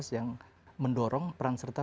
yang mendorong peran serta